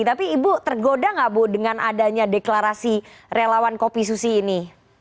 tapi ibu tergoda nggak bu dengan adanya deklarasi relawan kopi susi ini